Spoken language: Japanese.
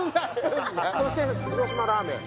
そして広島ラーメン